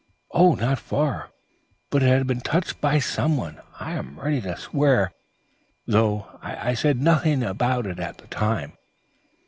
"Oh, not far, but it had been touched by some one, I am ready to swear, though I said nothing about it at the time.